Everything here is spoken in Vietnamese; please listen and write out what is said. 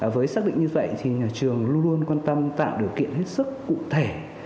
với xác định như vậy thì nhà trường luôn luôn quan tâm tạo điều kiện hết sức cụ thể